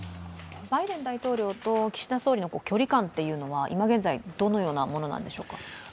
バイデン大統領と岸田総理の距離感は今現在、どのようなものなんでしょうか。